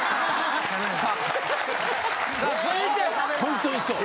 ホントにそう。